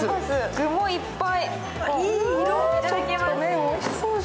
具もいっぱい。